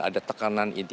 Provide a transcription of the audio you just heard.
ada tekanan inti